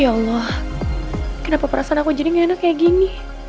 ya allah kenapa perasaan aku jadi gak enak kayak gini